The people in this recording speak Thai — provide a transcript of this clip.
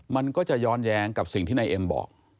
มันก็จะย้อนแย้งกับสิ่งที่นายเอ็มบอก